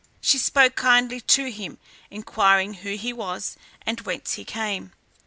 She spoke kindly to him, inquiring who he was and whence he came.